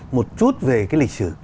một chút về cái lịch sử